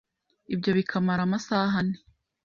ibyo bikamara amasaha ane